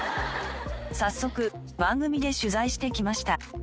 早速番組で取材してきました。